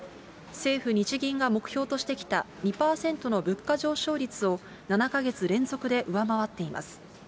政府・日銀が目標としてきた２％の物価上昇率を７か月連続で上回っています。